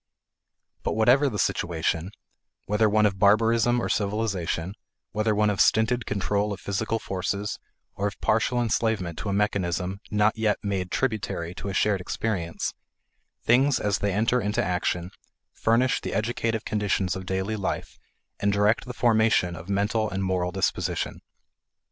But whatever the situation, whether one of barbarism or civilization, whether one of stinted control of physical forces, or of partial enslavement to a mechanism not yet made tributary to a shared experience, things as they enter into action furnish the educative conditions of daily life and direct the formation of mental and moral disposition.